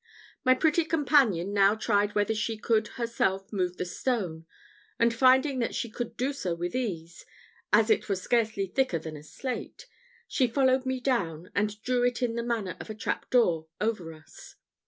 My pretty companion now tried whether she could herself move the stone; and finding that she could do so with ease, as it was scarcely thicker than a slate, she followed me down, and drew it in the manner of a trap door over us.